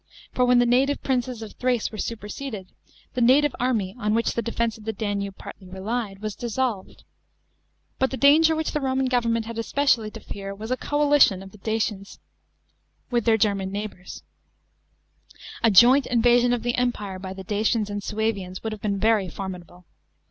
For when the native princes of Thrace were superseded, the native army, on which the defence of the Danube partly relied, was dissolved. But the danger which the Roman government had especially to fear was a coalition of the Dacians with their German 70 79 A.D. DECEBALUS 407 neighbours. A joint invasion of the Empire by the Dacians and Suevians would have been very formidable.